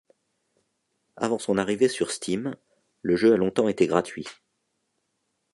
Avant son arrivée sur Steam, le jeu a longtemps été gratuit.